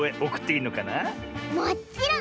もっちろん！